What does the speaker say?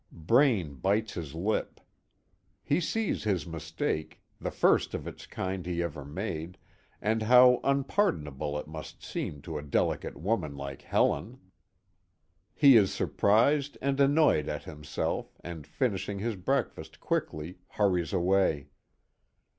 Braine bites his lip. He sees his mistake the first of its kind he ever made and how unpardonable it must seem to a delicate woman like Helen! He is surprised and annoyed at himself, and finishing his breakfast quickly, hurries away.